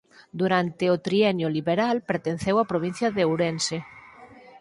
Durante o Trienio liberal pertenceu á provincia de Ourense.